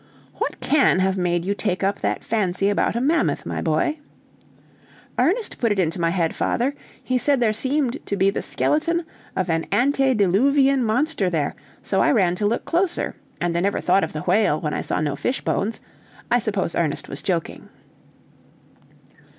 "What can have made you take up that fancy about a mammoth, my boy?" "Ernest put it into my head, father. He said there seemed to be the skeleton of an antediluvian monster there, so I ran to look closer, and I never thought of the whale, when I saw no fish bones. I suppose Ernest was joking."